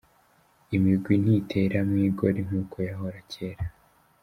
Imigwi ntitera mw'igoli nk'uko yahora kera.